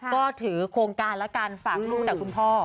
ก็ถือโครงการแล้วกันฝากลูกจากคุณพ่อ